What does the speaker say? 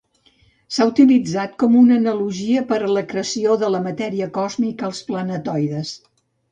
S'han utilitzat com una analogia per l'acreció de la matèria còsmica als planetoides.